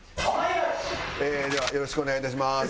ではよろしくお願いいたします。